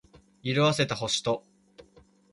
色褪せた星と